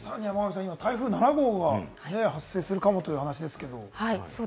台風７号が発生するかもという話ですけれども。